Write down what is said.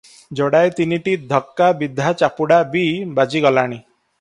ଯୋଡ଼ାଏ ତିନିଟା ଧକା ବିଧା ଚାପୁଡ଼ା ବି ବାଜିଗଲାଣି ।